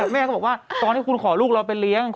แม่ก็บอกว่าตอนที่คุณขอลูกเราไปเลี้ยง